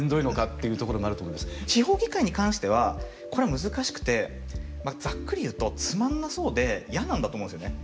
地方議会に関してはこれは難しくてまあざっくり言うとつまんなそうで嫌なんだと思うんですよね。